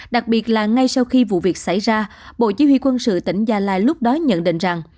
đặc biệt là ngay sau khi vụ việc xảy ra bộ chỉ huy quân sự tỉnh gia lai lúc đó nhận định rằng